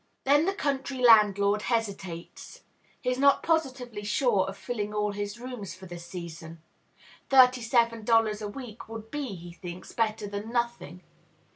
Then the country landlord hesitates. He is not positively sure of filling all his rooms for the season. Thirty seven dollars a week would be, he thinks, better than nothing.